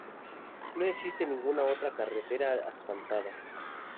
No existe ninguna otra carretera asfaltada.